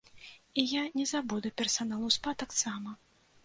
І я не забуду персанал у спа таксама.